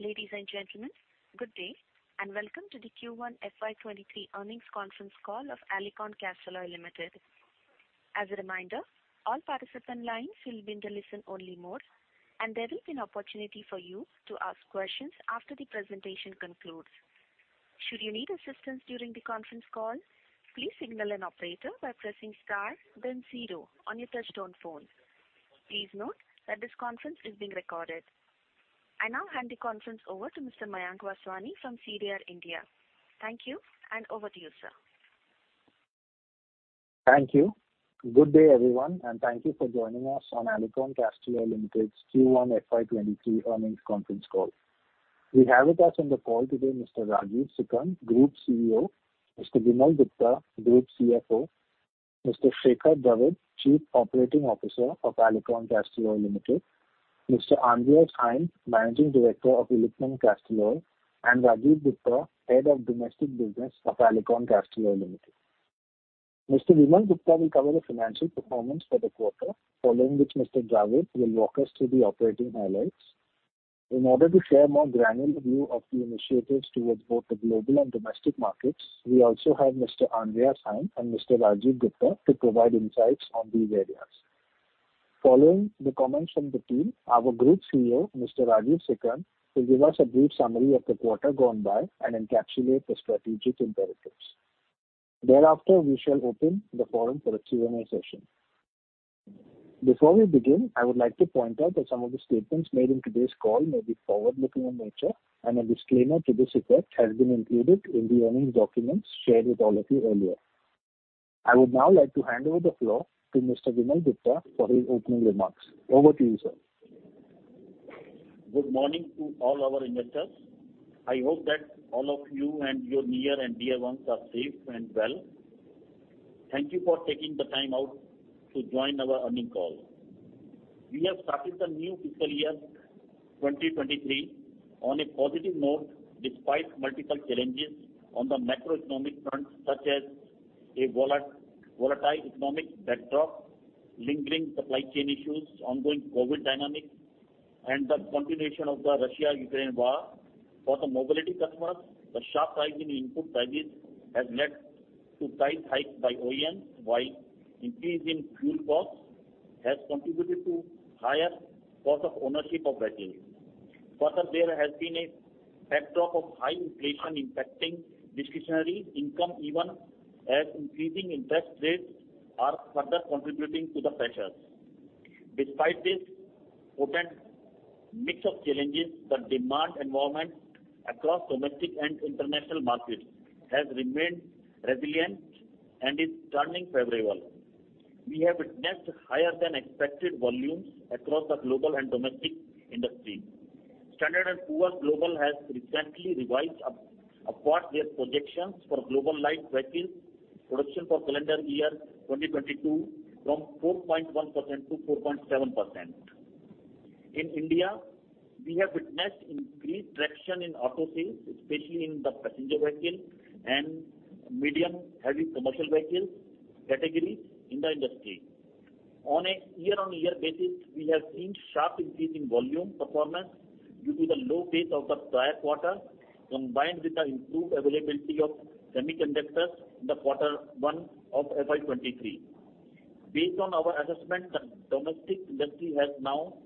Ladies and gentlemen, good day, and welcome to the Q1 FY23 earnings conference call of Alicon Castalloy Limited. As a reminder, all participant lines will be in the listen-only mode, and there will be an opportunity for you to ask questions after the presentation concludes. Should you need assistance during the conference call, please signal an operator by pressing star then zero on your touchtone phone. Please note that this conference is being recorded. I now hand the conference over to Mr. Mayank Vaswani from CDR India. Thank you, and over to you, sir. Thank you. Good day, everyone, and thank you for joining us on Alicon Castalloy Limited's Q1 FY23 earnings conference call. We have with us on the call today Mr. Rajeev Sikand, Group CEO, Mr. Vimal Gupta, Group CFO, Mr. Shekhar Dravid, Chief Operating Officer of Alicon Castalloy Limited, Mr. Andreas Heim, Managing Director of Illichmann Castalloy, and Rajiv Gupta, Head of Domestic Business of Alicon Castalloy Limited. Mr. Vimal Gupta will cover the financial performance for the quarter, following which Mr. Shekhar Dravid will walk us through the operating highlights. In order to share more granular view of the initiatives towards both the global and domestic markets, we also have Mr. Andreas Heim and Mr. Rajiv Gupta to provide insights on these areas. Following the comments from the team, our Group CEO, Mr. Rajeev Sikand will give us a brief summary of the quarter gone by and encapsulate the strategic imperatives. Thereafter, we shall open the forum for a Q&A session. Before we begin, I would like to point out that some of the statements made in today's call may be forward-looking in nature, and a disclaimer to this effect has been included in the earnings documents shared with all of you earlier. I would now like to hand over the floor to Mr. Vimal Gupta for his opening remarks. Over to you, sir. Good morning to all our investors. I hope that all of you and your near and dear ones are safe and well. Thank you for taking the time out To join our earnings call. We have started the new fiscal year 2023 on a positive note despite multiple challenges on the macroeconomic front, such as a volatile economic backdrop, lingering supply chain issues, ongoing COVID dynamics, and the continuation of the Russia-Ukraine war. For the mobility customers, the sharp rise in input prices has led to price hikes by OEMs, while increase in fuel costs has contributed to higher cost of ownership of vehicles. Further, there has been a backdrop of high inflation impacting discretionary income, even as increasing interest rates are further contributing to the pressures. Despite this potent mix of challenges, the demand environment across domestic and international markets has remained resilient and is turning favorable. We have witnessed higher than expected volumes across the global and domestic industry. S&P Global has recently revised upward their projections for global light vehicles production for calendar year 2022 from 4.1% to 4.7%. In India, we have witnessed increased traction in auto sales, especially in the passenger vehicle and medium/heavy commercial vehicles categories in the industry. On a year-on-year basis, we have seen sharp increase in volume performance due to the low base of the prior quarter, combined with the improved availability of semiconductors in quarter one of FY 2023. Based on our assessment, the domestic industry has now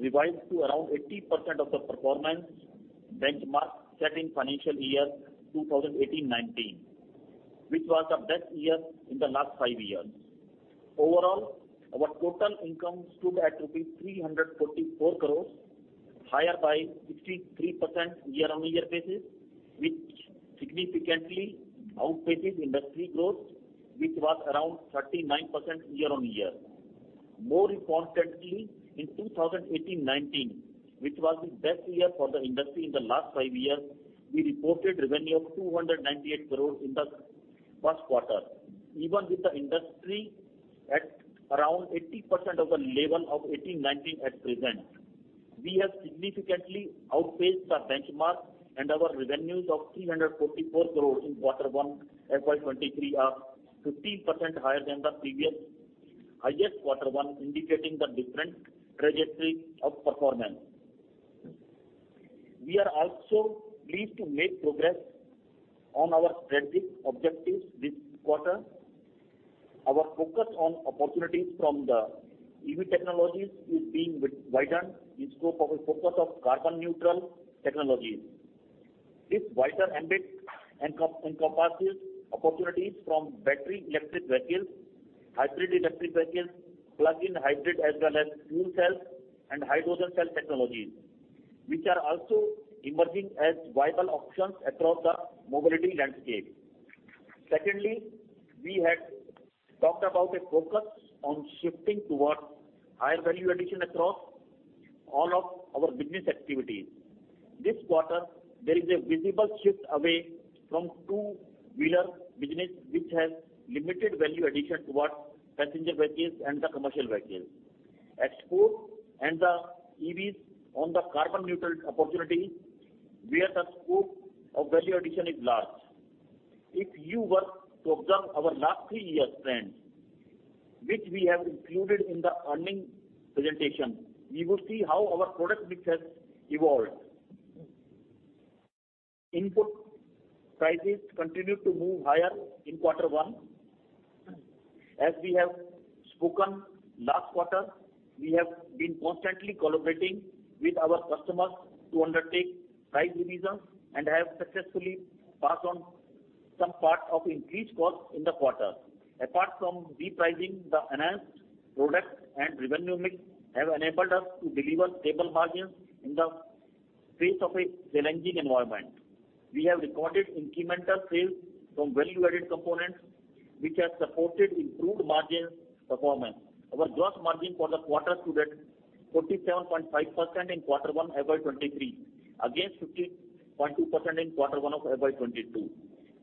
revised to around 80% of the performance benchmark set in financial year 2018-19, which was the best year in the last five years. Overall, our total income stood at rupees 344 crores, higher by 63% year-on-year basis, which significantly outpaces industry growth, which was around 39% year-on-year. More importantly, in 2018-19, which was the best year for the industry in the last five years, we reported revenue of 298 crores in the first quarter. Even with the industry at around 80% of the level of 2018-19 at present, we have significantly outpaced the benchmark and our revenues of 344 crores in quarter one FY 2023 are 15% higher than the previous highest quarter one, indicating the different trajectory of performance. We are also pleased to make progress on our strategic objectives this quarter. Our focus on opportunities from the EV technologies is being widened in scope of a focus of carbon neutral technologies. This wider ambit encompasses opportunities from battery electric vehicles, hybrid electric vehicles, plug-in hybrid, as well as fuel cell and hydrogen cell technologies, which are also emerging as viable options across the mobility landscape. Secondly, we had talked about a focus on shifting towards higher value addition across all of our business activities. This quarter, there is a visible shift away from two-wheeler business, which has limited value addition towards passenger vehicles and the commercial vehicles. Exports and the EVs on the carbon neutral opportunities, where the scope of value addition is large. If you were to observe our last three-year trend, which we have included in the earnings presentation. We will see how our product mix has evolved. Input prices continued to move higher in quarter one. As we have spoken last quarter, we have been constantly collaborating with our customers to undertake price increases and have successfully passed on some part of increased costs in the quarter. Apart from repricing, the enhanced product and revenue mix have enabled us to deliver stable margins in the face of a challenging environment. We have recorded incremental sales from value-added components, which has supported improved margin performance. Our gross margin for the quarter stood at 47.5% in quarter one FY 2023, against 15.2% in quarter one of FY 2022.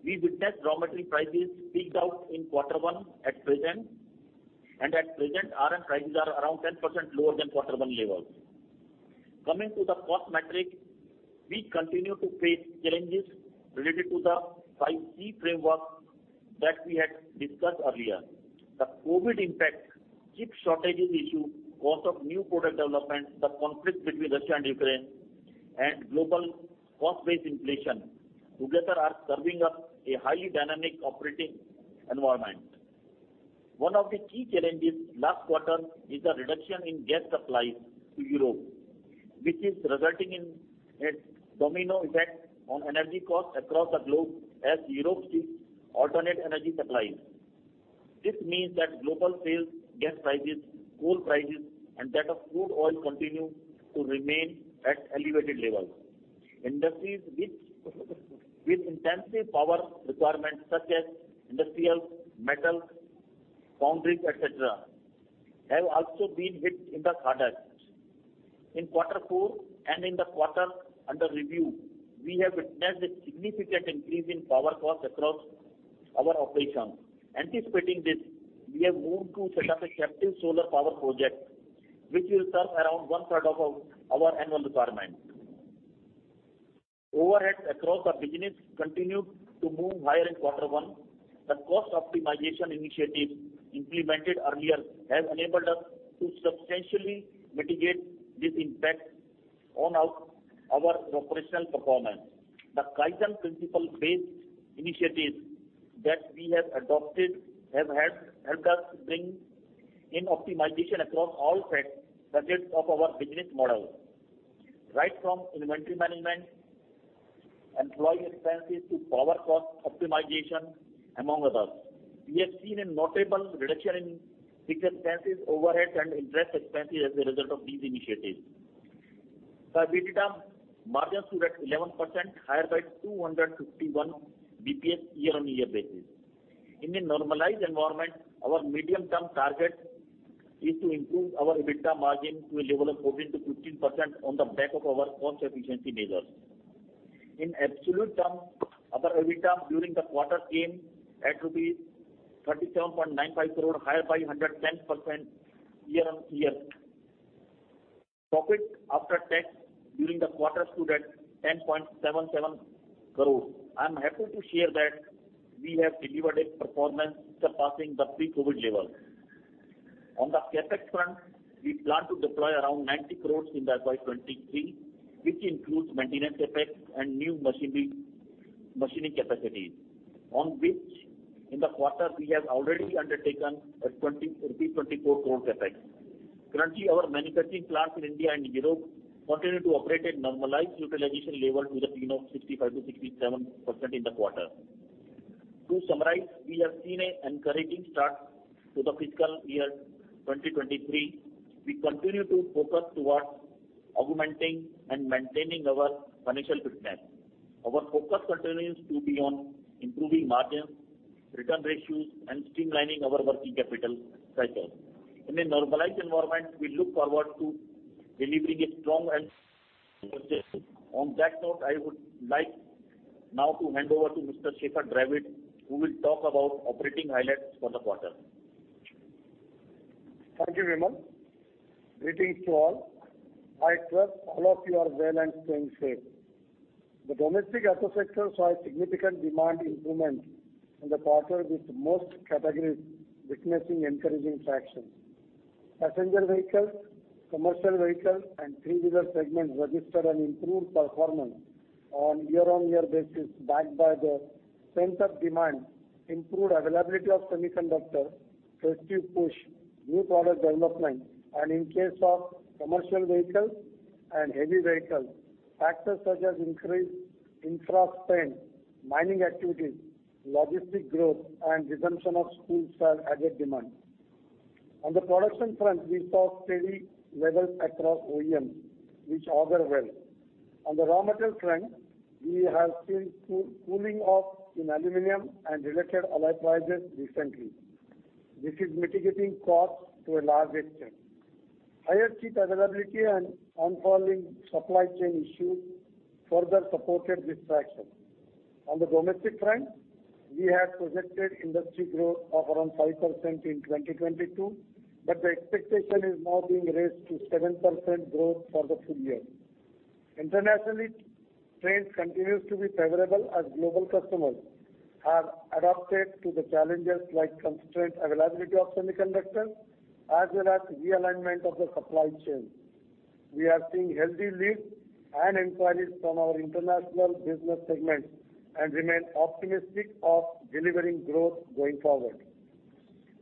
We witnessed raw material prices peaked out in quarter one at present, and at present, iron prices are around 10% lower than quarter 1 levels. Coming to the cost metric, we continue to face challenges related to the 5 C framework that we had discussed earlier. The COVID impact, chip shortages issue, cost of new product development, the conflict between Russia and Ukraine, and global cost-based inflation together are serving up a highly dynamic operating environment. One of the key challenges last quarter is the reduction in gas supply to Europe, which is resulting in a domino effect on energy costs across the globe as Europe seeks alternate energy supplies. This means that global gas prices, coal prices, and that of crude oil continue to remain at elevated levels. Industries which with intensive power requirements such as industrial, metal, foundries, et cetera, have also been hit the hardest. In quarter four and in the quarter under review, we have witnessed a significant increase in power costs across our operations. Anticipating this, we have moved to set up a captive solar power project, which will serve around one third of our annual requirement. Overheads across our business continued to move higher in quarter one. The cost optimization initiatives implemented earlier have enabled us to substantially mitigate this impact on our operational performance. The Kaizen principle-based initiatives that we have adopted have helped us bring in optimization across all facets of our business model, right from inventory management, employee expenses, to power cost optimization, among others. We have seen a notable reduction in fixed expenses, overheads, and interest expenses as a result of these initiatives. EBITDA margins stood at 11%, higher by 251 BPS year-on-year basis. In a normalized environment, our medium term target is to improve our EBITDA margin to a level of 14%-15% on the back of our cost efficiency measures. In absolute terms, our EBITDA during the quarter gained at rupees 37.95 crore, higher by 110% year-on-year. Profit after tax during the quarter stood at 10.77 crore. I'm happy to share that we have delivered a performance surpassing the pre-COVID level. On the CapEx front, we plan to deploy around 90 crore in the FY 2023, which includes maintenance CapEx and new machining capacities, on which in the quarter we have already undertaken a 24 crore CapEx. Currently, our manufacturing plants in India and Europe continue to operate at normalized utilization levels with a tune of 65%-67% in the quarter. To summarize, we have seen an encouraging start to the fiscal year 2023. We continue to focus towards augmenting and maintaining our financial fitness. Our focus continues to be on improving margins, return ratios, and streamlining our working capital cycles. In a normalized environment, we look forward to delivering a strong and consistent. On that note, I would like now to hand over to Mr. Shekhar Dravid, who will talk about operating highlights for the quarter. Thank you, Vimal. Greetings to all. I trust all of you are well and staying safe. The domestic auto sector saw a significant demand improvement in the quarter, with most categories witnessing encouraging traction. Passenger vehicles, commercial vehicles, and three-wheeler segments registered an improved performance on year-over-year basis, backed by the pent-up demand, improved availability of semiconductors, festive push, new product development. In case of commercial vehicles and heavy vehicles, factors such as increased infra spend, mining activities, logistic growth, and resumption of school sales added demand. On the production front, we saw steady levels across OEMs, which augur well. On the raw material front, we have seen cooling off in aluminum and related alloy prices recently. This is mitigating costs to a large extent. Higher chip availability and easing supply chain issues further supported this traction. On the domestic front, we had projected industry growth of around 5% in 2022, but the expectation is now being raised to 7% growth for the full year. Internationally, trends continues to be favorable as global customers have adapted to the challenges like constrained availability of semiconductors as well as realignment of the supply chain. We are seeing healthy leads and inquiries from our international business segments and remain optimistic of delivering growth going forward.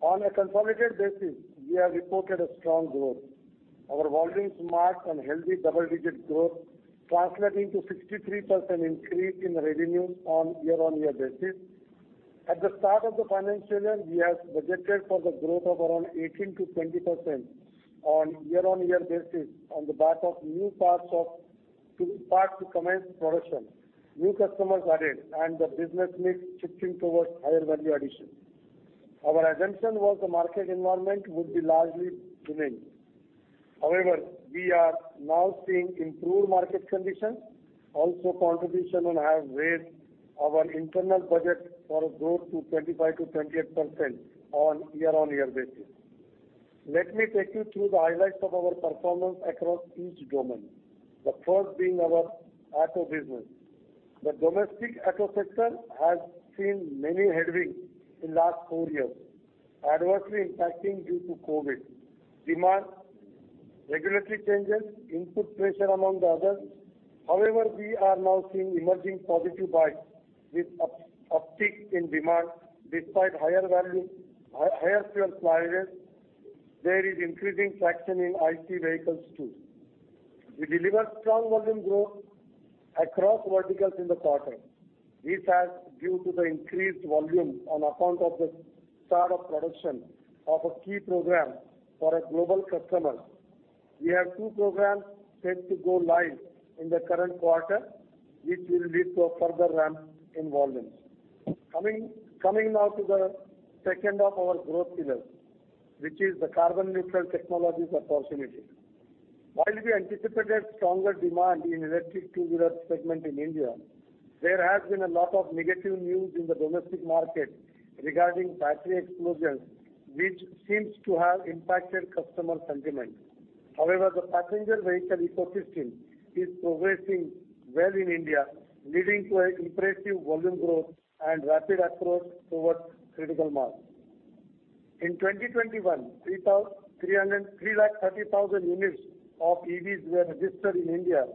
On a consolidated basis, we have reported a strong growth. Our volumes marked a healthy double-digit growth translating to 63% increase in revenues on year-on-year basis. At the start of the financial year, we had budgeted for the growth of around 18%-20% on year-on-year basis on the back of new parts to start to commence production, new customers added, and the business mix shifting towards higher value addition. Our assumption was the market environment would largely remain. However, we are now seeing improved market conditions. Also, contributions have raised our internal budget for growth to 25%-28% on a year-on-year basis. Let me take you through the highlights of our performance across each domain. The first being our auto business. The domestic auto sector has seen many headwinds in last four years, adversely impacting due to COVID, demand, regulatory changes, input pressure, among others. However, we are now seeing emerging positive vibes with uptick in demand despite higher fuel prices. There is increasing traction in IC vehicles too. We delivered strong volume growth across verticals in the quarter. This is due to the increased volume on account of the start of production of a key program for a global customer. We have two programs set to go live in the current quarter, which will lead to a further ramp in volumes. Coming now to the second of our growth pillars, which is the carbon neutral technologies opportunity. While we anticipated stronger demand in electric two-wheeler segment in India, there has been a lot of negative news in the domestic market regarding battery explosions, which seems to have impacted customer sentiment. However, the passenger vehicle ecosystem is progressing well in India, leading to an impressive volume growth and rapid approach towards critical mass. In 2021, 330,000 units of EVs were registered in India,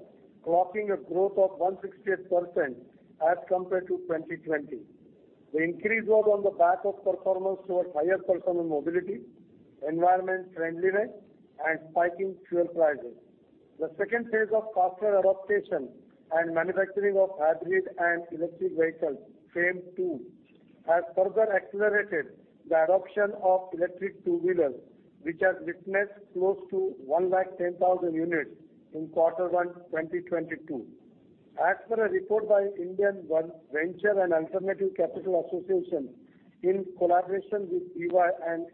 clocking a growth of 168% as compared to 2020. The increase was on the back of performance towards higher personal mobility, environment friendliness, and spiking fuel prices. The second phase of Faster Adoption and Manufacturing of Hybrid and Electric Vehicles, FAME II, has further accelerated the adoption of electric two-wheeler, which has witnessed close to 110,000 units in Q1 2022. As per a report by Indian Venture and Alternate Capital Association in collaboration with EY and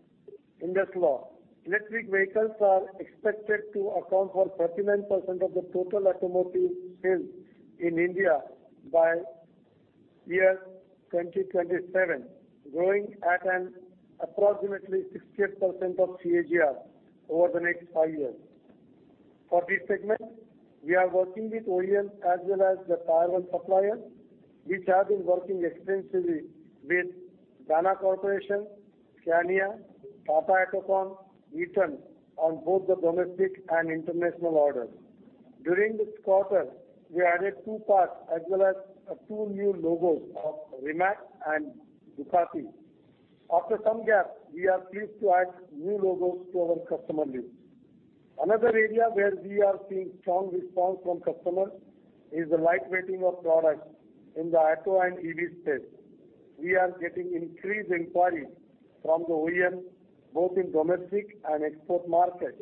IndusLaw, electric vehicles are expected to account for 39% of the total automotive sales in India by 2027, growing at an approximately 68% CAGR over the next five years. For this segment, we are working with OEMs as well as the tier one suppliers, which have been working extensively with Dana Incorporated, Scania, Tata AutoComp, Eaton Corporation on both the domestic and international orders. During this quarter, we added two parts as well as two new logos of Rimac and Ducati. After some gap, we are pleased to add new logos to our customer list. Another area where we are seeing strong response from customers is the lightweighting of products in the auto and EV space. We are getting increased inquiries from the OEM, both in domestic and export markets,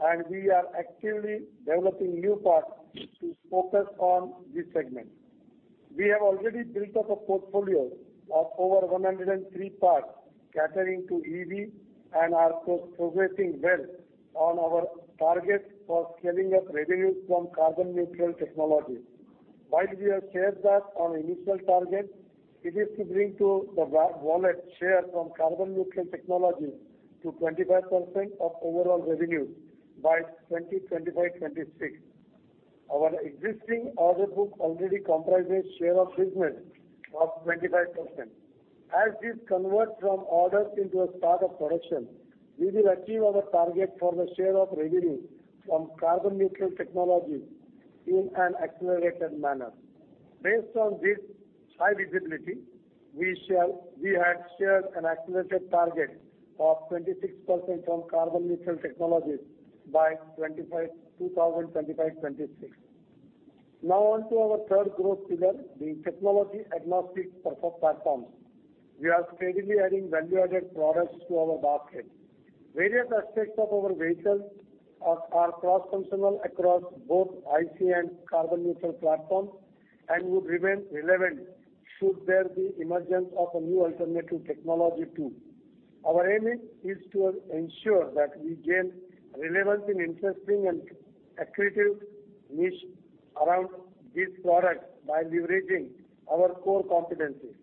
and we are actively developing new parts to focus on this segment. We have already built up a portfolio of over 103 parts catering to EV and are progressing well on our targets for scaling up revenues from carbon neutral technologies. While we have shared that our initial target, it is to bring the wallet share from carbon neutral technologies to 25% of overall revenues by 2025-26. Our existing order book already comprises share of business of 25%. As this converts from orders into a start of production, we will achieve our target for the share of revenue from carbon neutral technologies in an accelerated manner. Based on this high visibility, we had shared an accelerated target of 26% from carbon neutral technologies by 2025-26. Now on to our third growth pillar, the technology agnostic platform. We are steadily adding value-added products to our basket. Various aspects of our vehicles are cross-functional across both IC and carbon neutral platform and would remain relevant should there be emergence of a new alternative technology too. Our aim is to ensure that we gain relevance in interesting and accretive niche around these products by leveraging our core competencies.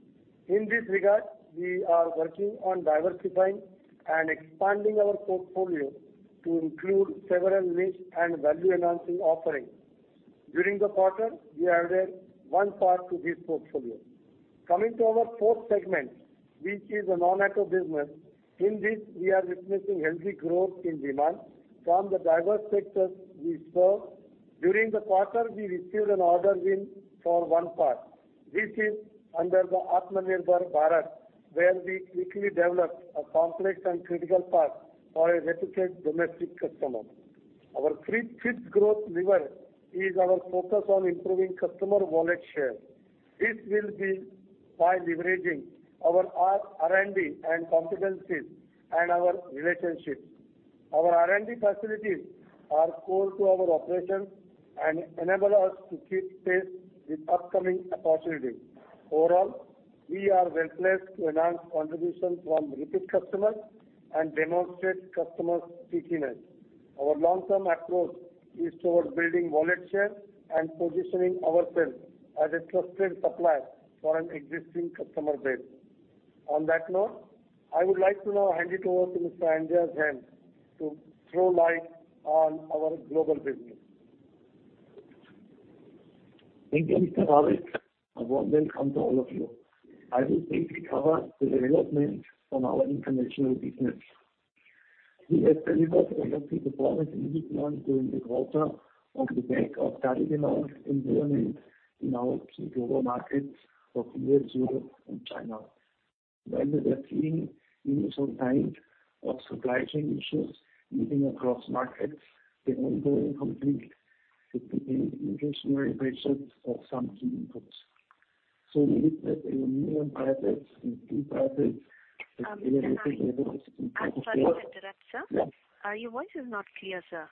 In this regard, we are working on diversifying and expanding our portfolio to include several niche and value-enhancing offerings. During the quarter, we added one part to this portfolio. Coming to our fourth segment, which is a non-auto business, in which we are witnessing healthy growth in demand from the diverse sectors we serve. During the quarter, we received an order win for one part. This is under the Atmanirbhar Bharat, where we quickly developed a complex and critical part for a reputed domestic customer. Our fifth growth lever is our focus on improving customer wallet share. This will be by leveraging our R&D and competencies and our relationships. Our R&D facilities are core to our operations and enable us to keep pace with upcoming opportunities. Overall, we are well-placed to enhance contributions from repeat customers and demonstrate customer stickiness. Our long-term approach is towards building wallet share and positioning ourselves as a trusted supplier for an existing customer base. On that note, I would like to now hand it over to Mr. Andreas Heim to throw light on our global business. Thank you, Mr. Shekhar Dravid. A warm welcome to all of you. I will briefly cover the development on our international business. We have delivered a healthy performance in Illichmann Castalloy during the quarter on the back of steady demand environment in our key global markets of U.S., Europe, and China. While we are seeing initial signs of supply chain issues easing across markets, the ongoing conflict has put inflationary pressures on some key inputs. We witnessed aluminum prices and steel prices. Mr. Heim, I'm sorry to interrupt, sir. Yeah. Your voice is not clear, sir.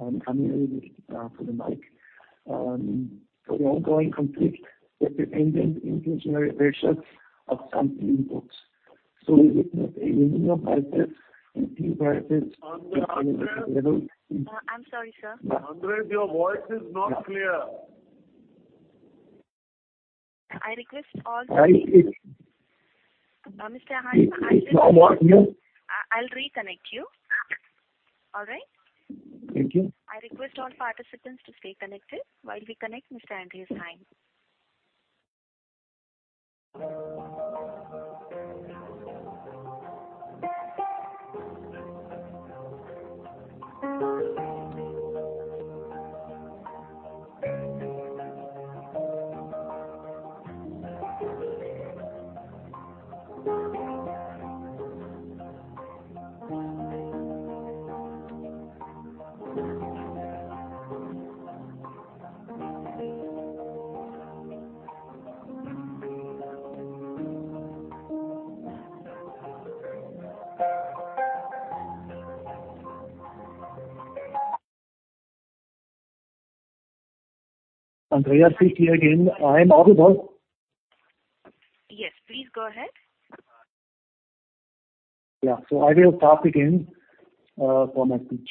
I'm coming really close to the mic. The ongoing conflict has put enormous inflationary pressures on some key inputs. We witnessed aluminum prices and steel prices at elevated levels in- Andreas. I'm sorry, sir. Andreas, your voice is not clear. Yeah. I request all participants. I, it's- Mr. Heim. It's a lot here. I'll reconnect you. All right? Thank you. I request all participants to stay connected while we connect Mr. Andreas Heim. Andreas, please hear again. I am audible? Yes, please go ahead. Yeah. I will start again for my speech.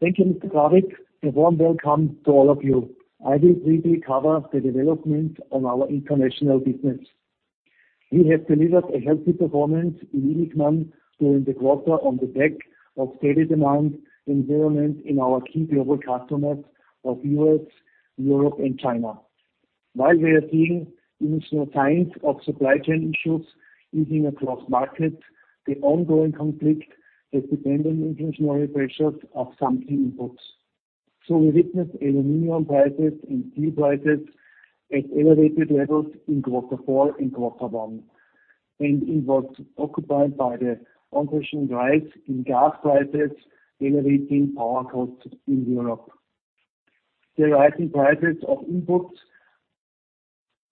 Thank you, Mr. Shekhar Dravid. A warm welcome to all of you. I will briefly cover the development on our international business. We have delivered a healthy performance in Illichmann during the quarter on the back of steady demand environment in our key global customers in the U.S., Europe, and China. While we are seeing initial signs of supply chain issues easing across markets, the ongoing conflict has put inflationary pressures on some key inputs. We witnessed aluminum prices and steel prices at elevated levels in quarter four and quarter one, and impacted by the ongoing rise in gas prices generating power costs in Europe. The rising prices of inputs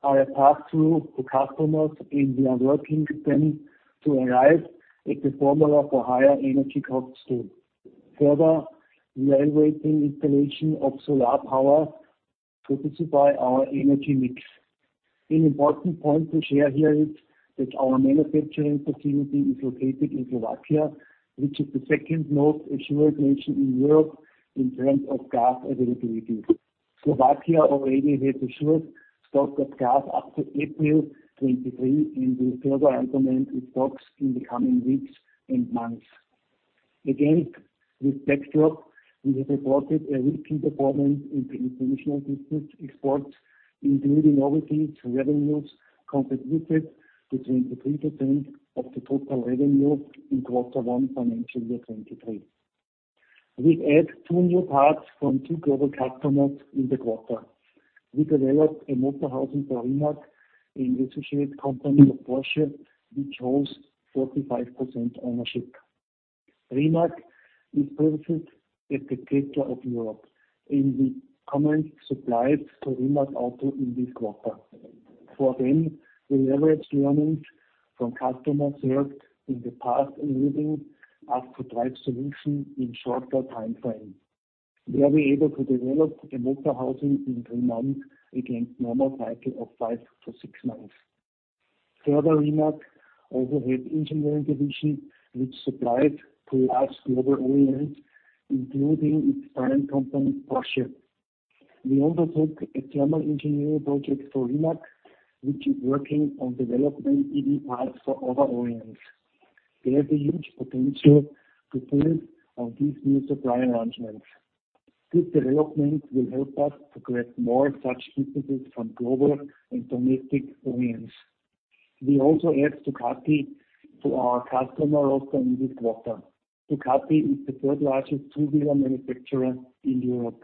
are passed through to customers, and we are working with them to arrive at the formula for higher energy costs to further the elevating installation of solar power to diversify our energy mix. An important point to share here is that our manufacturing facility is located in Slovakia, which is the second most assured nation in Europe in terms of gas availability. Slovakia already has assured stock of gas up to April 2023 and will further augment its stocks in the coming weeks and months. Against this backdrop, we have reported a healthy performance in the international business exports, including obviously the revenues contributed to 23% of the total revenue in quarter one financial year 2023. We add two new parts from two global customers in the quarter. We developed a motor housing for Rimac, an associated company of Porsche, which holds 45% ownership. Rimac is present at the gateway of Europe, and we commenced supplies to Rimac Automobili in this quarter. For them, we leveraged learnings from customers served in the past, enabling us to drive solution in shorter timeframe. We were able to develop a motor housing in three months against normal cycle of 5-6 months. Further, Rimac also has engineering division which supplies to large global OEMs, including its parent company, Porsche. We also took a thermal engineering project for Rimac, which is working on developing EV parts for other OEMs. There is a huge potential to build on these new supply arrangements. This development will help us to create more such instances from global and domestic OEMs. We also add Ducati to our customer roster in this quarter. Ducati is the third largest two-wheeler manufacturer in Europe.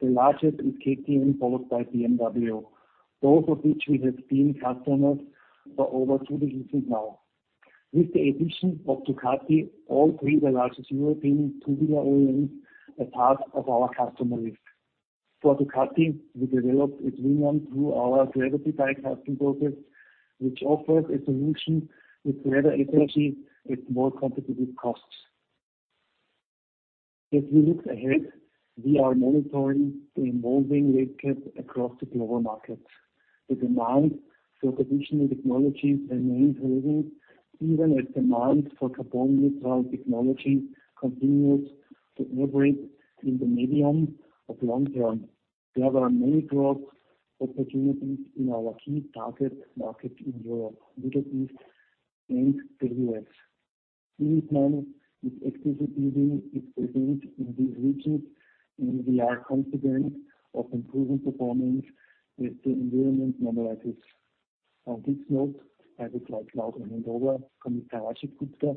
The largest is KTM, followed by BMW, both of which we have been customers for over two decades now. With the addition of Ducati, all three of the largest European two-wheeler OEMs are part of our customer list. For Ducati, we developed a trim component through our gravity die casting process, which offers a solution with greater efficiency at more competitive costs. If we look ahead, we are monitoring the evolving landscape across the global markets. The demand for transitional technologies remains relevant even as demand for carbon neutral technology continues to accelerate in the medium to long term. There are many growth opportunities in our key target markets in Europe, Middle East, and the U.S. Over time, with Alicon building its presence in these regions, we are confident of improving performance as the environment normalizes. On this note, I would like now to hand over to Mr. Rajiv Gupta,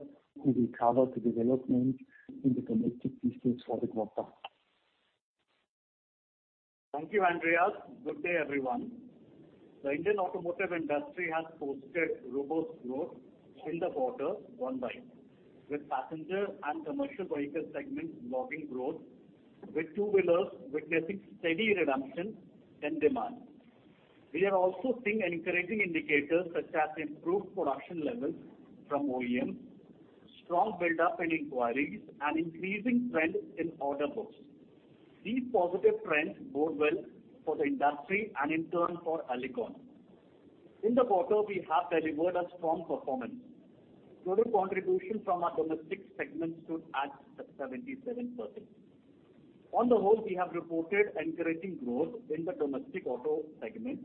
who will cover the development in the domestic business for the quarter. Thank you, Andreas. Good day, everyone. The Indian automotive industry has posted robust growth in the quarter gone by, with passenger and commercial vehicle segments logging growth, with two-wheelers witnessing steady redemption and demand. We are also seeing encouraging indicators such as improved production levels from OEMs, strong buildup in inquiries, and increasing trends in order books. These positive trends bode well for the industry and in turn for Alicon. In the quarter, we have delivered a strong performance. Total contribution from our domestic segment stood at 77%. On the whole, we have reported encouraging growth in the domestic auto segment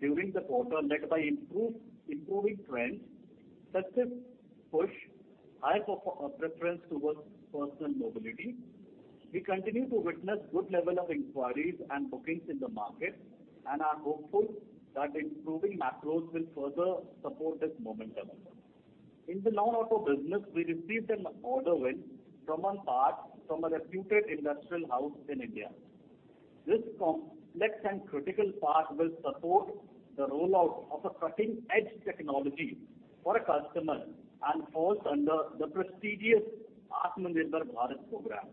during the quarter, led by improving trends such as push high preference towards personal mobility. We continue to witness good level of inquiries and bookings in the market and are hopeful that improving macros will further support this momentum. In the non-auto business, we received an order win from one part from a reputed industrial house in India. This complex and critical part will support the rollout of a cutting-edge technology for a customer and falls under the prestigious Atmanirbhar Bharat program.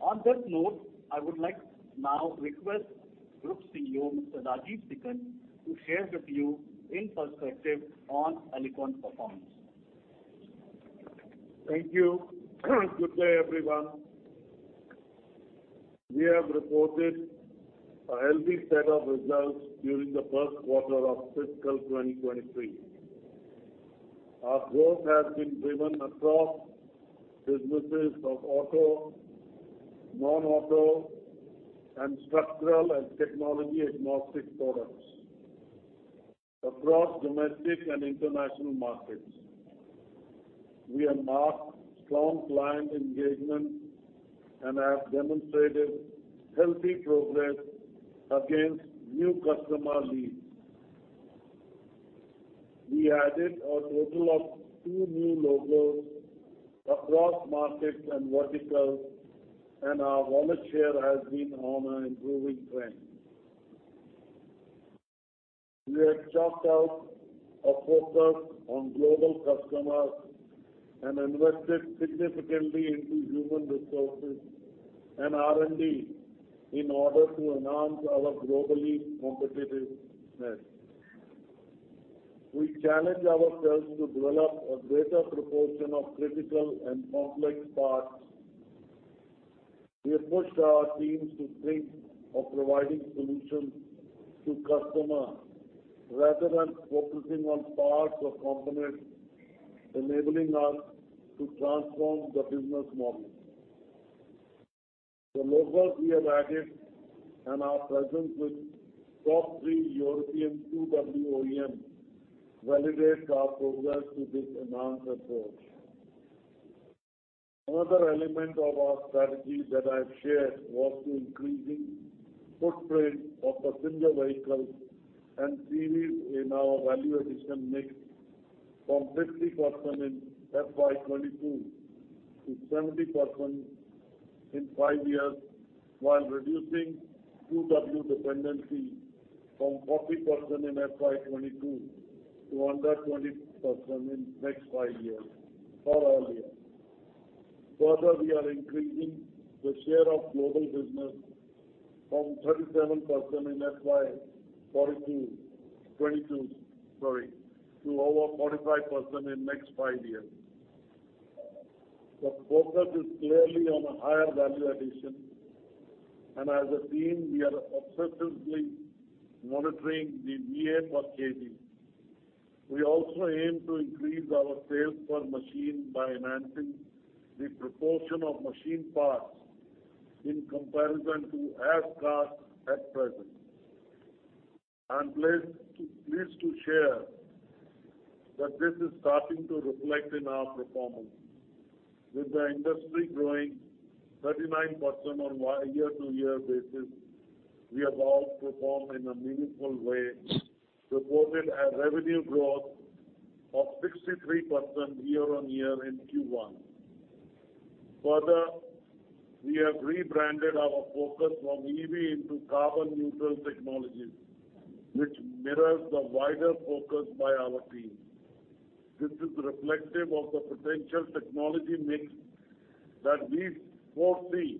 On this note, I would like now to request Group CEO, Mr. Rajeev Sikand, to share with you his perspective on Alicon performance. Thank you. Good day, everyone. We have reported a healthy set of results during the first quarter of fiscal 2023. Our growth has been driven across businesses of auto, non-auto, and structural and technology-agnostic products. Across domestic and international markets, we have marked strong client engagement and have demonstrated healthy progress against new customer leads. We added a total of two new logos across markets and verticals, and our wallet share has been on an improving trend. We have chalked out a focus on global customers and invested significantly into human resources and R&D in order to enhance our global competitiveness. We challenge ourselves to develop a greater proportion of critical and complex parts. We have pushed our teams to think of providing solutions to customer rather than focusing on parts or components, enabling us to transform the business model. The logos we have added and our presence with top three European 2W OEMs validates our progress with this enhanced approach. Another element of our strategy that I've shared was to increasing footprint of passenger vehicles and CVs in our value addition mix from 50% in FY 2022 to 70% in five years, while reducing 2W dependency from 40% in FY 2022 to under 20% in next five years or earlier. Further, we are increasing the share of global business from 37% in FY 2022 to over 45% in next five years. The focus is clearly on a higher value addition. As a team, we are obsessively monitoring the VA per KG. We also aim to increase our sales per machine by enhancing the proportion of machine parts in comparison to as cast at present. I'm pleased to share that this is starting to reflect in our performance. With the industry growing 39% on year-over-year basis, we outperformed in a meaningful way, reported a revenue growth of 63% year-over-year in Q1. Further, we have rebranded our focus from EV into carbon neutral technologies, which mirrors the wider focus by our team. This is reflective of the potential technology mix that we foresee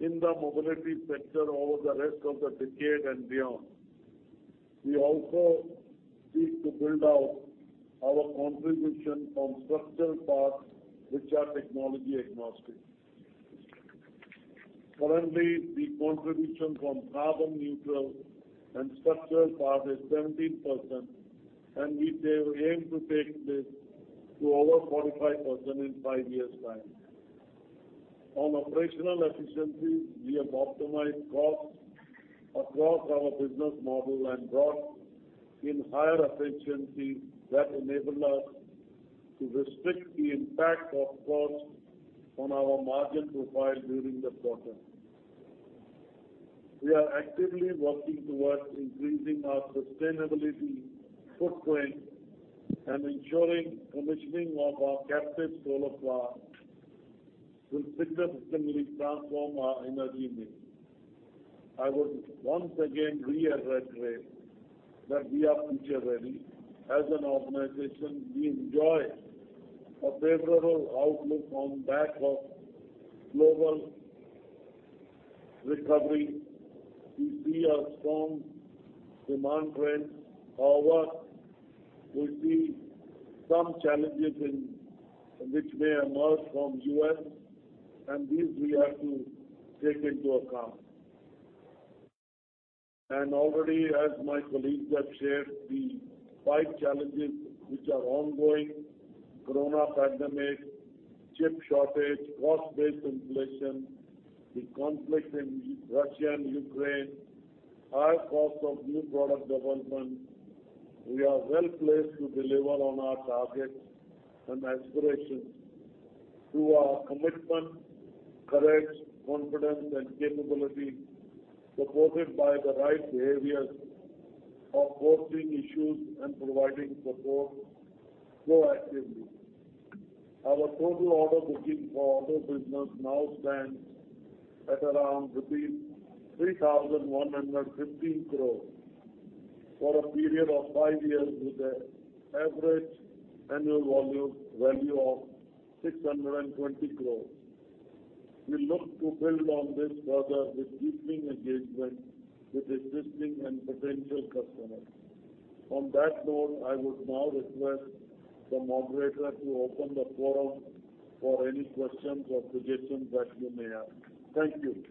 in the mobility sector over the rest of the decade and beyond. We also seek to build out our contribution from structural parts which are technology agnostic. Currently, the contribution from carbon neutral and structural part is 17%, and we aim to take this to over 45% in five years' time. On operational efficiencies, we have optimized costs across our business model and brought in higher efficiencies that enabled us to restrict the impact of costs on our margin profile during the quarter. We are actively working towards increasing our sustainability footprint and ensuring commissioning of our captive solar power will significantly transform our energy mix. I would once again reiterate that we are future ready. As an organization, we enjoy a favorable outlook on back of global recovery. We see a strong demand trend. However, we see some challenges in which may emerge from U.S., and these we have to take into account. Already, as my colleagues have shared the five challenges which are ongoing—corona pandemic, chip shortage, cost-based inflation, the conflict in Russia and Ukraine, high cost of new product development—we are well placed to deliver on our targets and aspirations through our commitment, courage, confidence, and capability, supported by the right behaviors of foresee issues and providing support proactively. Our total order booking for auto business now stands at around rupees 3,115 crore for a period of five years with an average annual volume value of 620 crore. We look to build on this further with deepening engagement with existing and potential customers. On that note, I would now request the moderator to open the forum for any questions or suggestions that you may have. Thank you.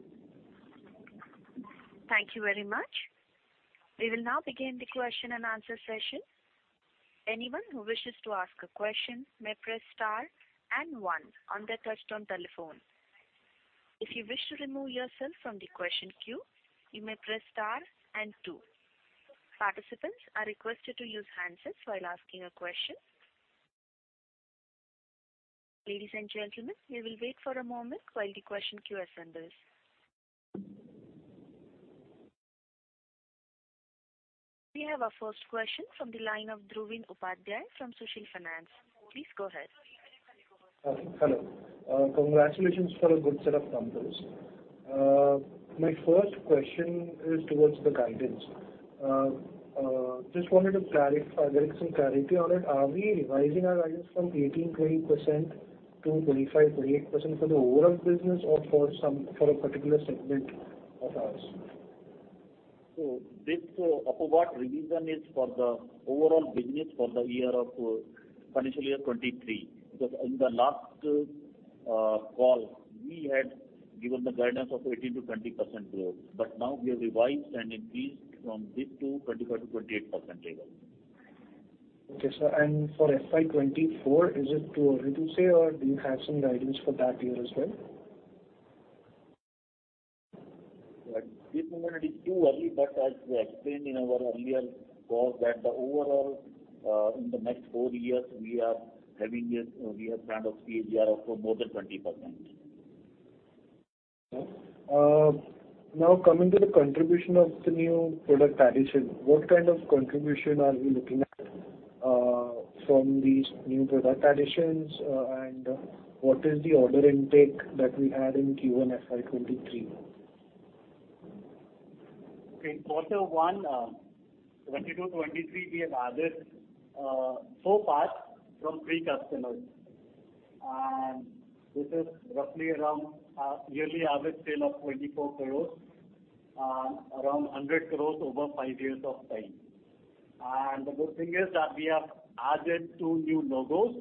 Thank you very much. We will now begin the question-and-answer session. Anyone who wishes to ask a question may press star and one on their touchtone telephone. If you wish to remove yourself from the question queue, you may press star and two. Participants are requested to use handsets while asking a question. Ladies and gentlemen, we will wait for a moment while the question queue assembles. We have our first question from the line of Dhruvin Upadhyay from Sushil Finance. Please go ahead. Hello. Congratulations for a good set of numbers. My first question is towards the guidance. Just wanted to get some clarity on it. Are we revising our guidance from 18%-20% to 25%-28% for the overall business or for a particular segment of ours? This upward revision is for the overall business for the year of financial year 2023, because in the last call, we had given the guidance of 18%-20% growth, but now we have revised and increased from this to 25%-28% level. Okay, sir. For FY 2024, is it too early to say, or do you have some guidance for that year as well? At this moment, it is too early, but as we explained in our earlier call that the overall, in the next 4 years, we have kind of CAGR of more than 20%. Okay. Now coming to the contribution of the new product addition, what kind of contribution are we looking at, from these new product additions, and what is the order intake that we had in Q1 FY 2023? In quarter one, 2022-2023, we have added four parts from three customers, and this is roughly around a yearly average sale of 24 crores and around 100 crores over five years of time. The good thing is that we have added two new logos.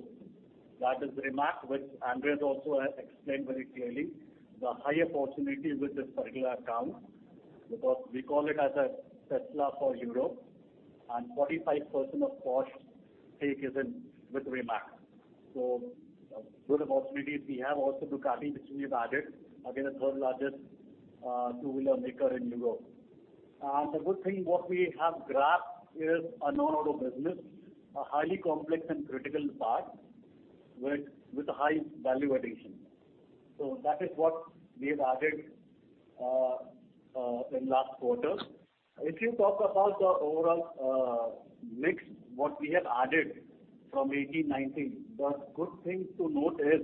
That is Rimac, which Andreas also has explained very clearly. The higher opportunity with this particular account, because we call it as a Tesla for Europe, and 45% of Porsche stake is with Rimac. Good opportunities. We have also Ducati, which we have added. Again, the third largest two-wheeler maker in Europe. The good thing what we have grasped is a non-auto business, a highly complex and critical part with high value addition. That is what we have added in last quarter. If you talk about the overall mix, what we have added from 2018, 2019, the good thing to note is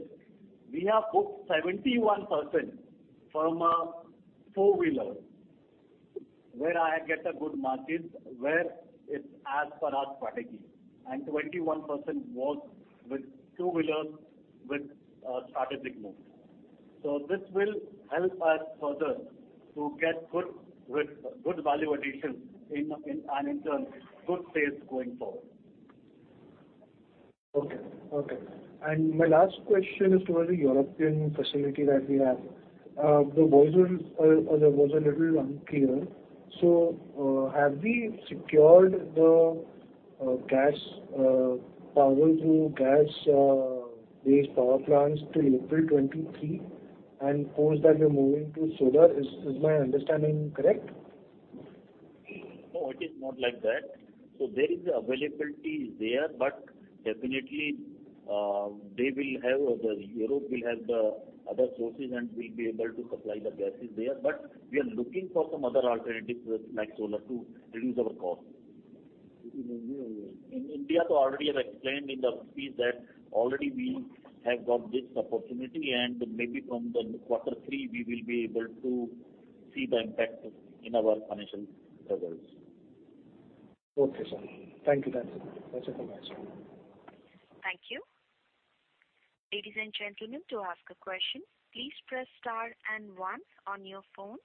we have booked 71% from four-wheeler, where I get a good margins, where it's as per our strategy, and 21% was with two-wheeler with strategic move. This will help us further to get good value addition in and in turn, good sales going forward. Okay. My last question is towards the European facility that we have. The voice was a little unclear. Have we secured the gas power through gas-based power plants till April 2023, and post that we are moving to solar? Is my understanding correct? No, it is not like that. There is availability there, but definitely, they will have Europe will have the other sources, and we'll be able to supply the gases there. We are looking for some other alternatives like solar to reduce our cost. In India also. In India, already I've explained in the piece that already we have got this opportunity, and maybe from the quarter three we will be able to see the impact in our financial results. Okay, sir. Thank you. That's it. That's it for now, sir. Thank you. Ladies and gentlemen, to ask a question, please press star and one on your phone.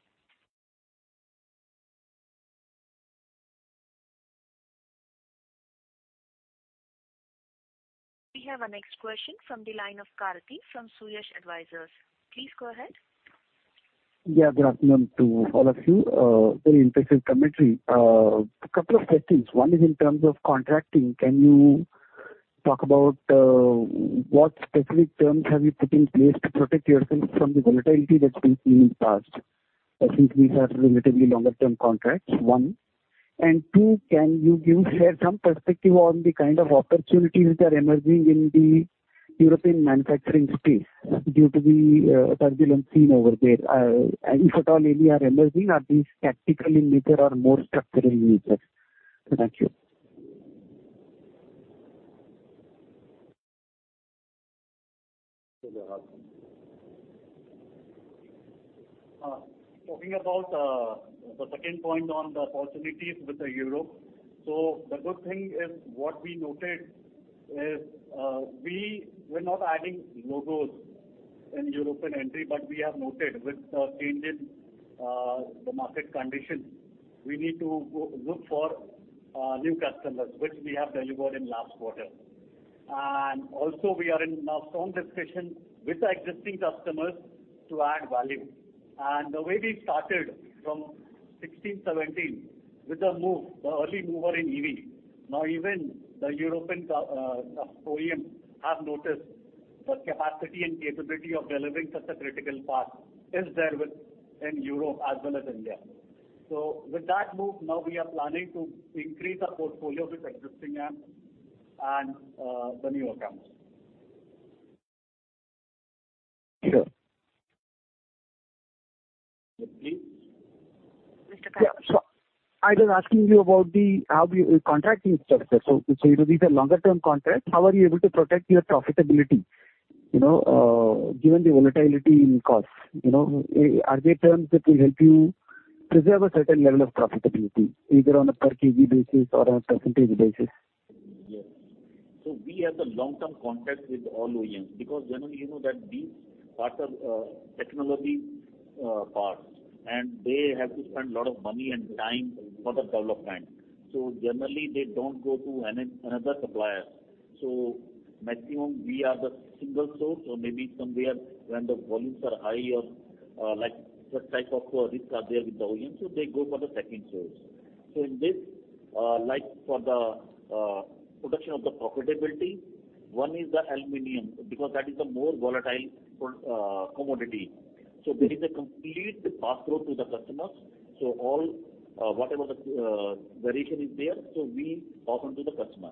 We have our next question from the line of Karthik from Suyash Advisors. Please go ahead. Yeah, good afternoon to all of you. Very impressive commentary. A couple of quick things. One is in terms of contracting. Can you talk about what specific terms have you put in place to protect yourself from the volatility that's been seen in the past? I think these are relatively longer term contracts. One. Two, can you share some perspective on the kind of opportunities that are emerging in the European manufacturing space due to the turbulence seen over there? And if at all any are emerging, are these tactical in nature or more structural in nature? Thank you. Sure. Talking about the second point on the opportunities with Europe. The good thing is what we noted is we were not adding logos in European entity, but we have noted with the change in the market condition, we need to go look for new customers, which we have delivered in last quarter. Also we are in a strong discussion with the existing customers to add value. The way we started from 2016, 2017 with the move, the early mover in EV. Now even the European OEMs have noticed the capacity and capability of delivering such a critical part is there within Europe as well as India. With that move, now we are planning to increase our portfolio with existing OEMs and the new accounts. Sure. Please. Mr. Karthik. I was asking you about how the contracting structure. These are longer term contracts, how are you able to protect your profitability, you know, given the volatility in costs? You know, are there terms that will help you preserve a certain level of profitability, either on a per kg basis or on a percentage basis? Yes. We have the long-term contracts with all OEMs, because generally you know that these are the technology parts, and they have to spend a lot of money and time for the development. Generally they don't go to another supplier. Maximum we are the single source or maybe somewhere when the volumes are high or like what type of risks are there with the OEM, so they go for the second source. In this, like for the protection of the profitability, one is the aluminum, because that is a more volatile commodity. There is a complete pass through to the customers. All whatever the variation is there, we pass on to the customer.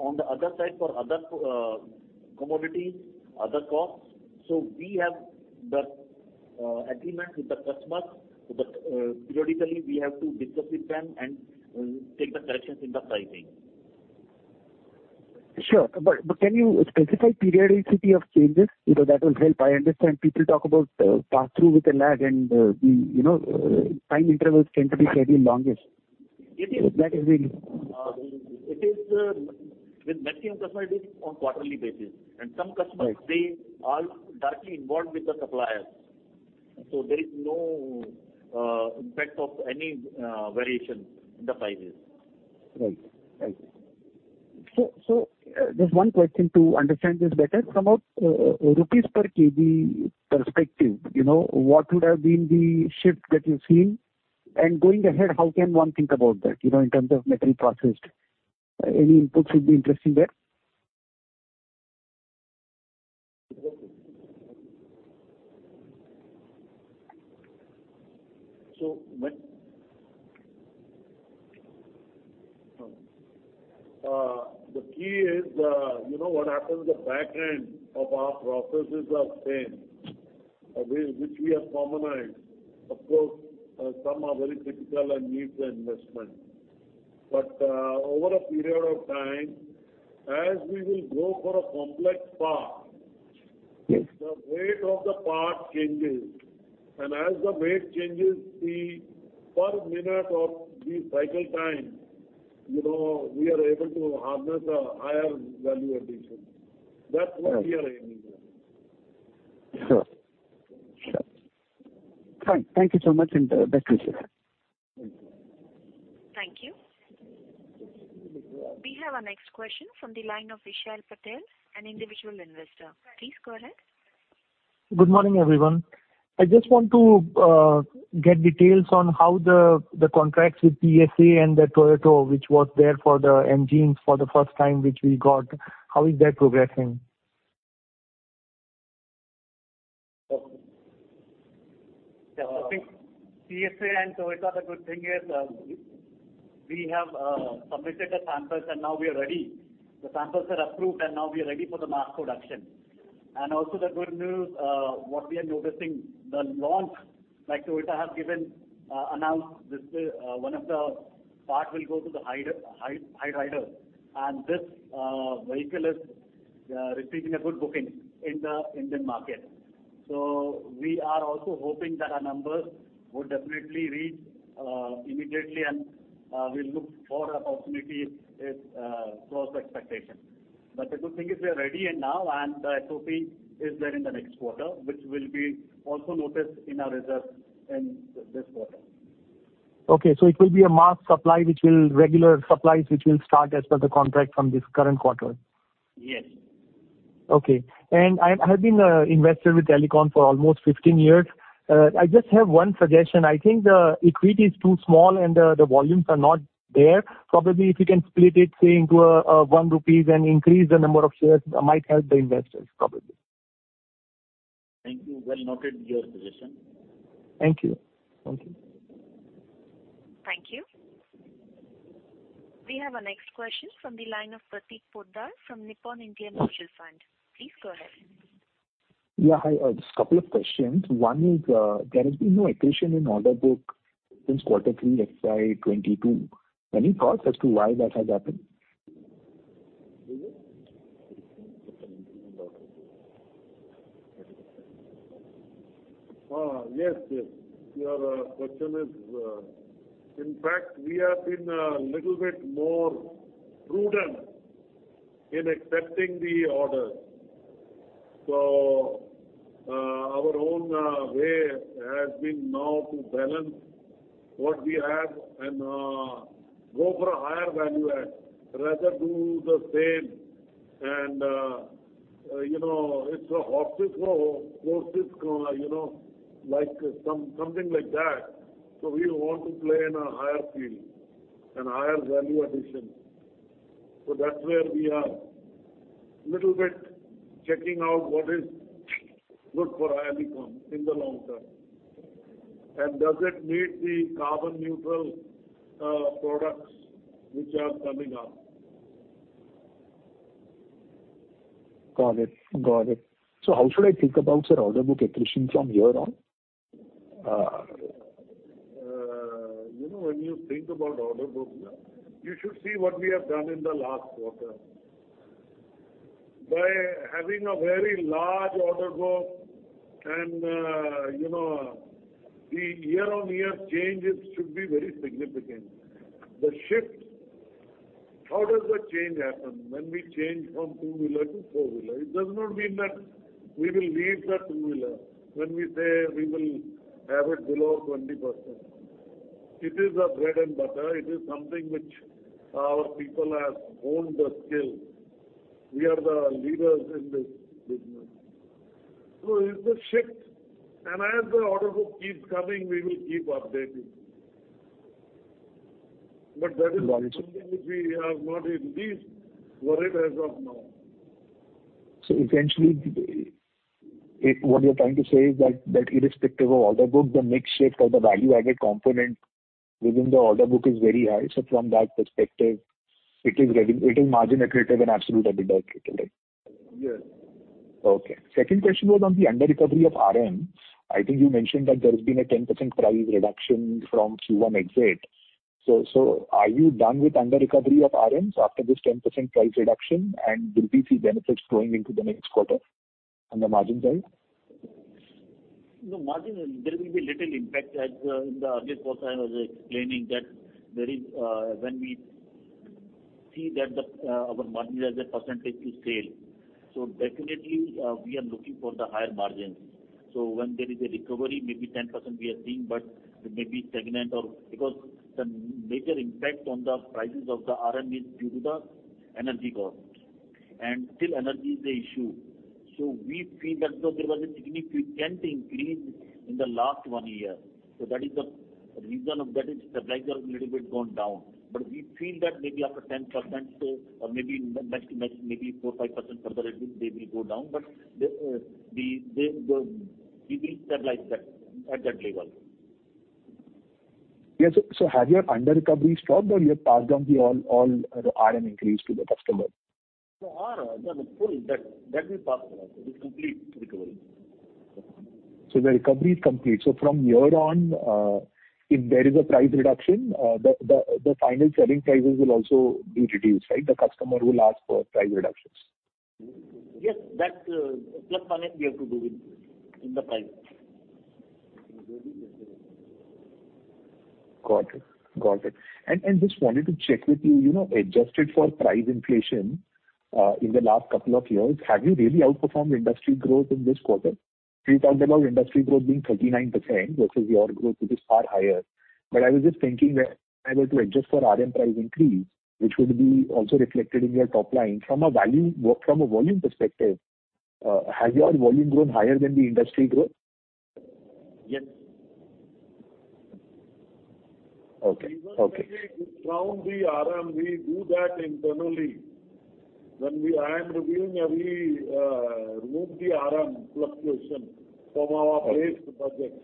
On the other side for other commodities, other costs, so we have the agreement with the customers that periodically we have to discuss with them and take the corrections in the pricing. Sure. Can you specify periodicity of changes? You know, that will help. I understand people talk about pass-through with a lag and, you know, time intervals tend to be fairly long. It is- That is the- It is, with maximum customers, it is on quarterly basis. Some customers. Right. They are directly involved with the suppliers. There is no impact of any variation in the prices. Right. Just one question to understand this better. From a rupees per kg perspective, you know, what would have been the shift that you've seen? Going ahead, how can one think about that, you know, in terms of material processed? Any inputs would be interesting there. So ma- The key is, you know what happens at the back end of our processes are same, which we have commonized. Of course, some are very critical and needs investment. Over a period of time, as we will go for a complex part. Yes The weight of the part changes. As the weight changes, the parts per minute, the cycle time, you know, we are able to harness a higher value addition. Right. That's what we are aiming at. Sure. Fine. Thank you so much, and best wishes. Thank you. Thank you. We have our next question from the line of Vishal Patel, an individual investor. Please go ahead. Good morning, everyone. I just want to get details on how the contracts with PSA and the Toyota, which was there for the engines for the first time, which we got, how is that progressing? Uh. Yeah. I think PSA and Toyota, the good thing is, we have submitted the samples, and now we are ready. The samples are approved, and now we are ready for the mass production. Also the good news, what we are noticing, the launch, like Toyota has given, announced this, one of the part will go to the Hyryder, and this vehicle is receiving a good booking in the Indian market. We are also hoping that our numbers would definitely reach immediately, and we'll look for opportunity if close to expectation. The good thing is we are ready now, and the SOP is there in the next quarter, which will be also noticed in our results in this quarter. Okay. It will be regular supplies which will start as per the contract from this current quarter? Yes. Okay. I have been an investor with Alicon for almost 15 years. I just have one suggestion. I think the equity is too small, and the volumes are not there. Probably if you can split it, say, into 1 rupees and increase the number of shares, that might help the investors probably. Thank you. Well noted, your suggestion. Thank you. Thank you. Thank you. We have our next question from the line of Prateek Poddar from Nippon India Mutual Fund. Please go ahead. Yeah. Hi, just a couple of questions. One is, there has been no accretion in order book since quarter three FY 2022. Any thoughts as to why that has happened? Yes. Your question is, in fact, we have been a little bit more prudent in accepting the orders. Our own way has been now to balance what we have and go for a higher value add, rather do the same and you know, it's a horses for courses, you know, like something like that. We want to play in a higher field and higher value addition. That's where we are little bit checking out what is good for Alicon in the long term, and does it meet the carbon neutral products which are coming up. Got it. How should I think about the order book accretion from here on? You know, when you think about order book, you should see what we have done in the last quarter. By having a very large order book and, you know, the year-on-year changes should be very significant. The shift, how does the change happen when we change from two-wheeler to four-wheeler? It does not mean that we will leave the two-wheeler when we say we will have it below 20%. It is our bread and butter. It is something which our people have honed the skill. We are the leaders in this business. It's a shift. As the order book keeps coming, we will keep updating. Got it. Something which we are not at all worried as of now. Essentially, what you're trying to say is that irrespective of order book, the mix shift or the value-added component within the order book is very high. From that perspective, it is margin accretive and absolute EBITDA accretive, right? Yes. Okay. Second question was on the underrecovery of RM. I think you mentioned that there has been a 10% price reduction from Q1 exit. Are you done with underrecovery of RMs after this 10% price reduction? And will we see benefits going into the next quarter on the margin side? No margin, there will be little impact as, in the earlier quarter I was explaining that there is, when we see that the, our margin as a percentage to sale. Definitely, we are looking for the higher margins. When there is a recovery, maybe 10% we are seeing, but maybe stagnant or. Because the major impact on the prices of the RM is due to the energy costs, and still energy is the issue. We feel that though there was a significant increase in the last one year, that is the reason it is stabilized or little bit gone down. We feel that maybe after 10%, or maybe next, maybe 4-5% further they will go down. We will stabilize that at that level. Yes. Have your under-recovery stopped or you have passed down the all RM increase to the customer? Yeah, the full debt that we passed on. It is complete recovery. The recovery is complete. From here on, if there is a price reduction, the final selling prices will also be reduced, right? The customer will ask for price reductions. Yes. That +1 we have to do with in the price. Got it. Just wanted to check with you know, adjusted for price inflation in the last couple of years, have you really outperformed industry growth in this quarter? You talked about industry growth being 39% versus your growth, which is far higher. I was just thinking that if I were to adjust for RM price increase, which would be also reflected in your top line, from a volume perspective, has your volume grown higher than the industry growth? Yes. Okay. Even when we discount the RM, we do that internally. I am reviewing every remove the RM fluctuation from our base budget.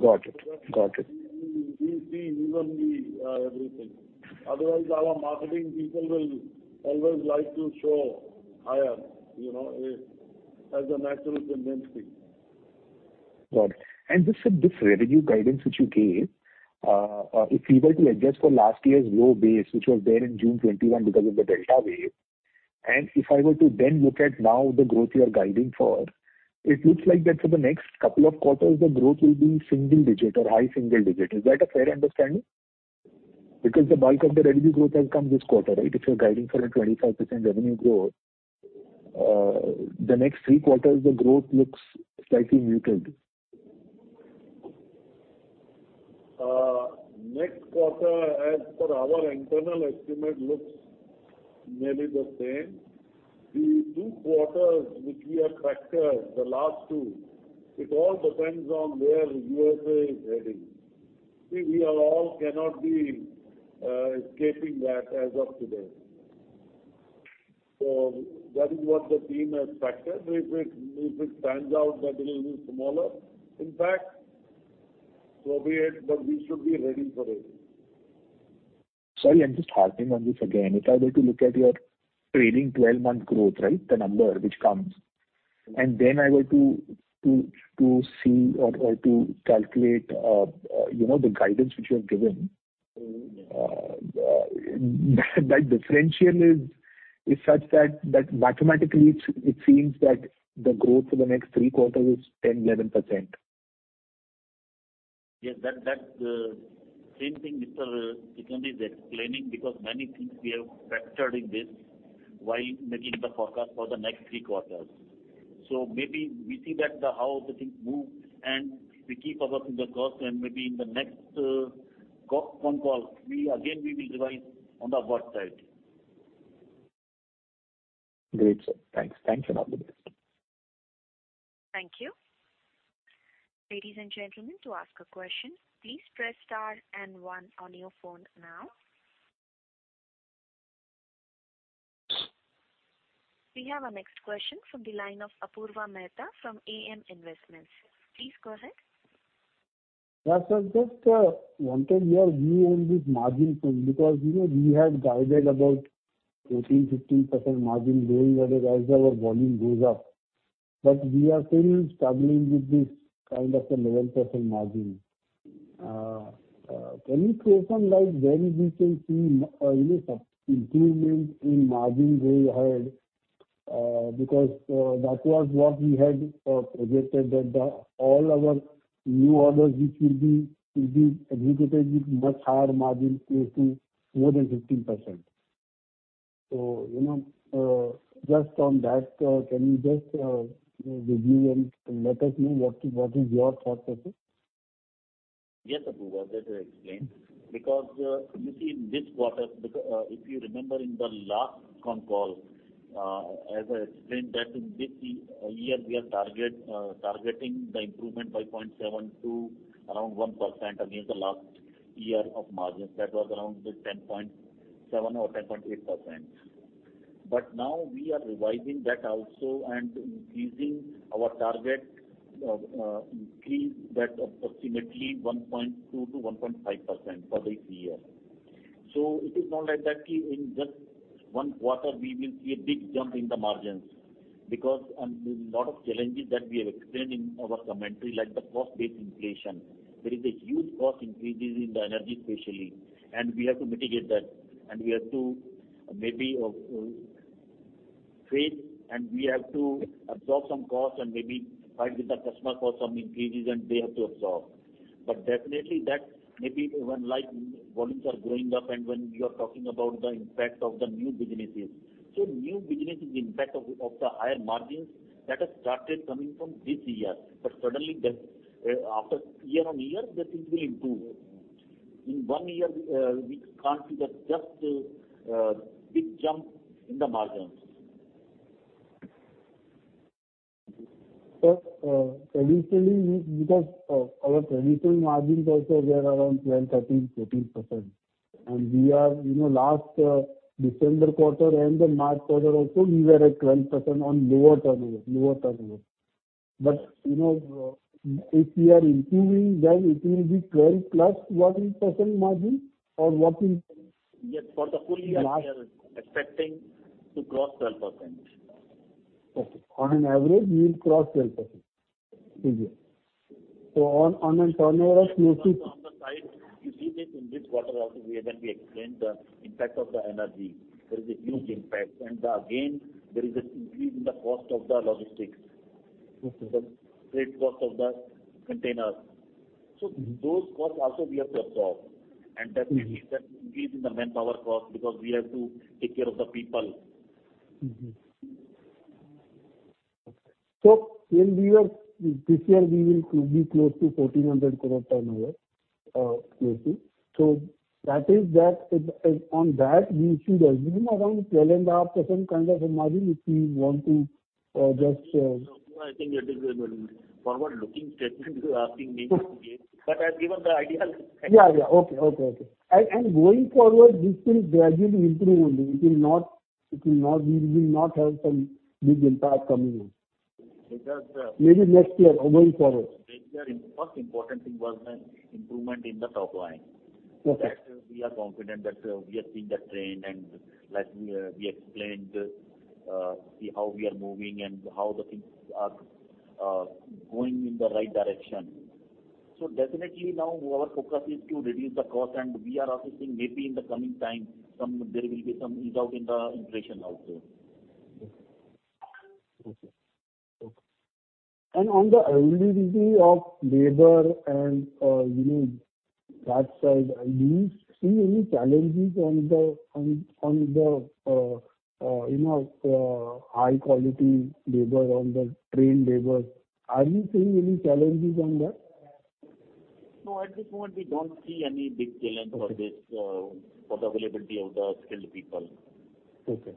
Got it. Got it. that we see even the everything. Otherwise our marketing people will always like to show higher, you know, as a natural tendency. Got it. Just this revenue guidance which you gave, if we were to adjust for last year's low base, which was there in June 2021 because of the Delta wave, and if I were to then look at now the growth you are guiding for, it looks like that for the next couple of quarters the growth will be single digit or high single digit. Is that a fair understanding? Because the bulk of the revenue growth has come this quarter, right? If you're guiding for a 25% revenue growth, the next three quarters the growth looks slightly muted. Next quarter as per our internal estimate looks maybe the same. The two quarters which we have factored, the last two, it all depends on where U.S. is heading. See, we cannot all be escaping that as of today. That is what the team has factored. If it turns out that it will be smaller, in fact, so be it, but we should be ready for it. Sorry, I'm just harping on this again. If I were to look at your trailing twelve-month growth, right? The number which comes, and then I were to see or to calculate, you know, the guidance which you have given, that differential is such that mathematically it seems that the growth for the next three quarters is 10-11%. Yes. That's the same thing Mr. Rajeev Sikand is explaining because many things we have factored in this while making the forecast for the next three quarters. Maybe we see that the how the things move and we keep our fingers crossed and maybe in the next con call we again will revise on the upward side. Great, sir. Thanks. Thanks a lot. Thank you. Thank you. Ladies and gentlemen, to ask a question, please press star and one on your phone now. We have our next question from the line of Apurva Mehta from AM Investments. Please go ahead. Yes, yes. Just wanted your view on this margin point because, you know, we had guided about 14, 15% margin going ahead as our volume goes up. We are still struggling with this kind of a low-end % margin. Can you throw some light when we can see, you know, some improvement in margin way ahead? Because that was what we had projected that all our new orders which will be executed with much higher margin close to more than 15%. You know, just on that, can you just review and let us know what is your thought process? Yes, Apurva. Let me explain. Because you see in this quarter, if you remember in the last con call, as I explained that in this year we are targeting the improvement by 0.7 to around 1% against the last year of margins. That was around 10.7 or 10.8%. Now we are revising that also and increasing our target of increase that approximately 1.2%-1.5% for this year. It is not like that in just one quarter we will see a big jump in the margins because there's a lot of challenges that we have explained in our commentary, like the cost-based inflation. There is a huge cost increases in the energy especially, and we have to mitigate that, and we have to maybe and we have to absorb some costs and maybe fight with the customer for some increases, and they have to absorb. Definitely that maybe when like volumes are going up and when you are talking about the impact of the new businesses. New businesses impact of the higher margins that have started coming from this year, but suddenly that, after year on year, the things will improve. In one year, we can't see that just a big jump in the margins. Sir, previously because our traditional margins also were around 12, 13, 14%. We are, you know, last December quarter and the March quarter also we were at 12% on lower turnover. You know, if we are improving, then it will be 12 + 1% margin or what will- Yes. For the full year, we are expecting to cross 12%. Okay. On an average, we will cross 12% this year. On a turnover of mostly- On the side, you see that in this quarter also, where when we explained the impact of the energy, there is a huge impact. Again, there is this increase in the cost of the logistics. Okay. The freight cost of the containers. Mm-hmm. those costs also we have to absorb. Mm-hmm. There may be that increase in the manpower cost because we have to take care of the people. Mm-hmm. Okay. This year we will be close to 1,400 crore turnover, closely. That is that. On that, we should assume around 12.5% kind of a margin if we want to just. No, I think that is a very forward-looking statement you are asking me to give. I've given the idea. Yeah. Okay. Going forward, this will gradually improve only. It will not. We will not have some big impact coming in. Because, uh- Maybe next year or going forward. Next year, first important thing was an improvement in the top line. Okay. That we are confident that we are seeing the trend, and like we explained, see how we are moving and how the things are going in the right direction. Definitely now our focus is to reduce the cost, and we are also seeing maybe in the coming time there will be some ease out in the inflation also. On the availability of labor and, you know, that side, are you seeing any challenges on the high quality labor, on the trained labor? Are you seeing any challenges on that? No, at this moment we don't see any big challenge for this, for availability of the skilled people. Okay.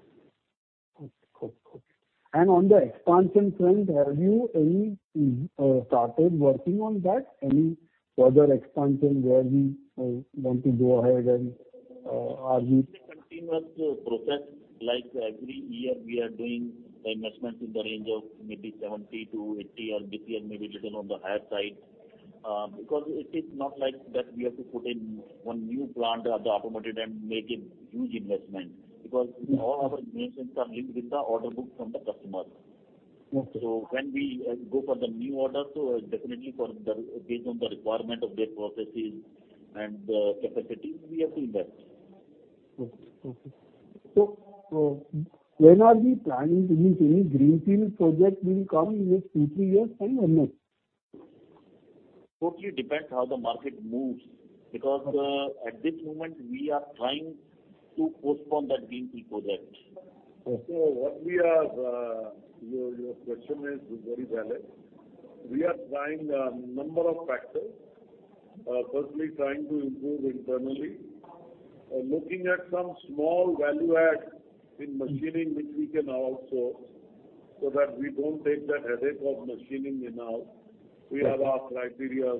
Good. On the expansion front, have you started working on that? Any further expansion where we want to go ahead and are you- It's a continuous process. Like every year we are doing investments in the range of maybe 70-80, or this year maybe a little on the higher side. Because it is not like that we have to put in one new plant or in the automotive and make a huge investment. Because all our investments are linked with the order book from the customer. Okay. When we go for the new order, so definitely based on the requirement of their processes and the capacity, we are doing that. Okay. When are we planning to do any greenfield projects? Will it come in next 2, 3 years or no? Totally depends how the market moves. Because, at this moment we are trying to postpone that greenfield project. Okay. Your question is very valid. We are trying a number of factors. Firstly trying to improve internally. Looking at some small value add in machining which we can outsource so that we don't take that headache of machining in-house. Okay. We have our criteria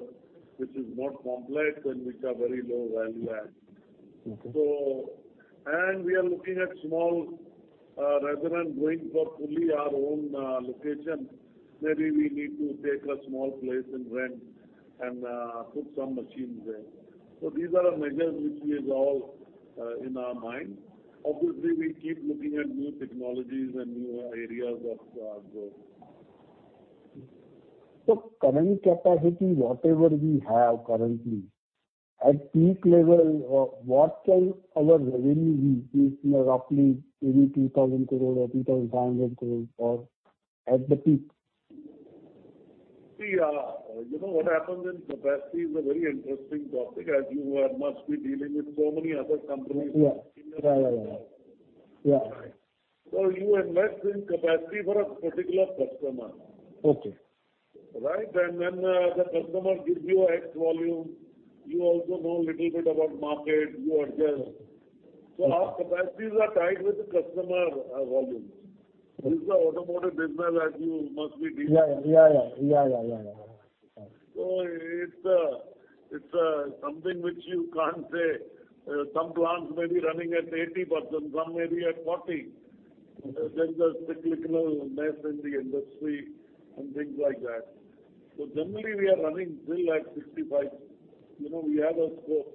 which is not complex and which are very low value add. Okay. We are looking at small, rather than going for fully our own location, maybe we need to take a small place and rent and put some machines there. These are the measures which is all in our mind. Obviously, we keep looking at new technologies and new areas of growth. Current capacity, whatever we have currently, at peak level, what can our revenue be? Roughly maybe 2,000 crore or 2,500 crore at the peak. See, you know what happens in capacity is a very interesting topic as you must be dealing with so many other companies. Yeah. You invest in capacity for a particular customer. Okay. Right? The customer gives you x volume. You also know little bit about market, you adjust. Our capacities are tied with the customer, volume. This is the automotive business that you must be dealing with. Yeah. It's something which you can't say. Some plants may be running at 80%, some may be at 40. Okay. There's a cyclical mess in the industry and things like that. Generally we are running still at 65%. You know, we have a scope.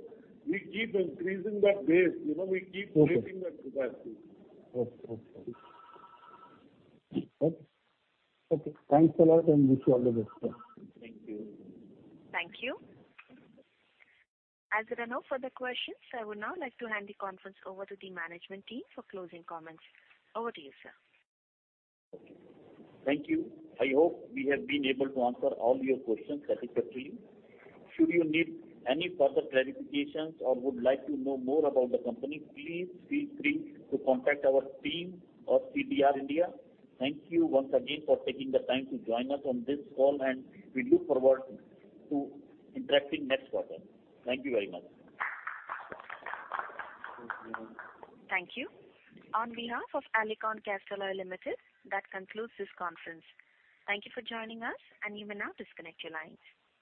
We keep increasing that base. Okay. Raising that capacity. Okay, thanks a lot, and wish you all the best. Thank you. Thank you. As there are no further questions, I would now like to hand the conference over to the management team for closing comments. Over to you, sir. Thank you. I hope we have been able to answer all your questions satisfactorily. Should you need any further clarifications or would like to know more about the company, please feel free to contact our team or CDR India. Thank you once again for taking the time to join us on this call, and we look forward to interacting next quarter. Thank you very much. Thank you. On behalf of Alicon Castalloy Limited, that concludes this conference. Thank you for joining us, and you may now disconnect your lines.